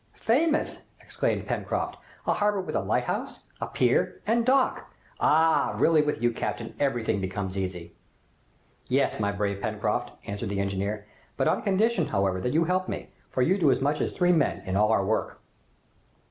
"Famous!" exclaimed Pencroft. "A harbor with a lighthouse, a pier, and dock! Ah! really with you, captain, everything becomes easy." "Yes, my brave Pencroft," answered the engineer, "but on condition, however, that you help me, for you do as much as three men in all our work."